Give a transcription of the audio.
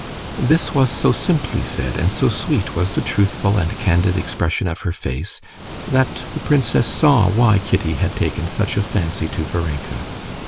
This was so simply said, and so sweet was the truthful and candid expression of her face, that the princess saw why Kitty had taken such a fancy to Varenka.